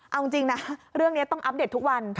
เอาจริงนะเรื่องนี้ต้องอัปเดตทุกวัน